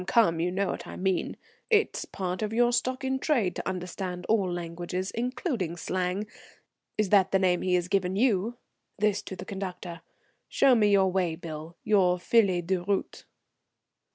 Come, you know what I mean. It's part of your stock in trade to understand all languages, including slang. Is that the name he has given you?" this to the conductor. "Show me your way bill, your feuille de route."